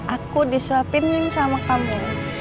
aku disuapin sama kamu